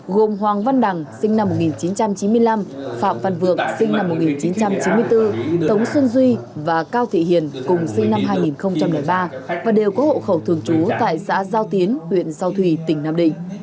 gồm hoàng văn đằng sinh năm một nghìn chín trăm chín mươi năm phạm văn vượng sinh năm một nghìn chín trăm chín mươi bốn tống xuân duy và cao thị hiền cùng sinh năm hai nghìn ba và đều có hộ khẩu thường trú tại xã giao tiến huyện giao thủy tỉnh nam định